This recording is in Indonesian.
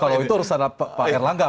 kalau itu harus ada pak erlangga